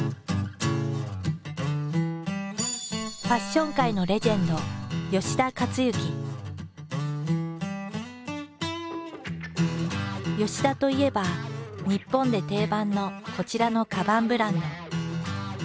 ファッション界のレジェンド田といえば日本で定番のこちらのカバンブランド。